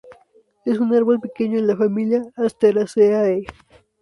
Es un árbol pequeño en la familia Asteraceae.